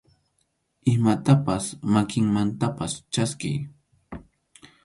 Imatapas makinmantapas chaskiy.